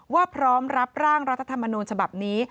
พร้อมรับร่างรัฐธรรมนูญฉบับนี้